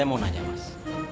masih ada mas